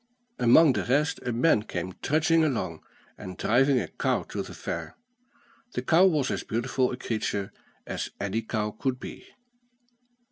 Among the rest a man came trudging along, and driving a cow to the fair. The cow was as beautiful a creature as any cow could be.